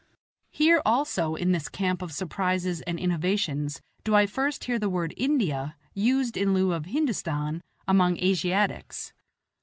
Here also, in this camp of surprises and innovations, do I first hear the word "India" used in lieu of "Hindostan" among Asiatics.